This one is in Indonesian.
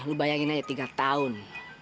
lu bayangin aja tiga tahun